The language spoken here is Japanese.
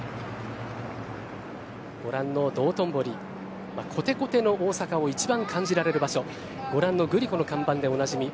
ご覧の道頓堀こてこての大阪を一番感じられる場所ご覧のグリコの看板でおなじみ。